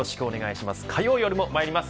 火曜夜もまいります。